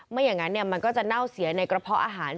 ไม่อย่างนั้นมันก็จะเน่าเสียในกระเพาะอาหาร